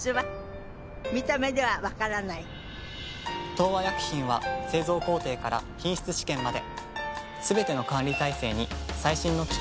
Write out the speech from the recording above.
東和薬品は製造工程から品質試験まですべての管理体制に最新の機器や技術を導入。